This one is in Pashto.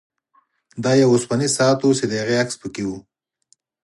دا یو اوسپنیز ساعت و چې د هغې عکس پکې و